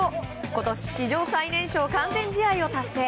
今年、史上最年少完全試合を達成。